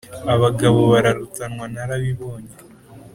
abagabo bararutanwa narabibonye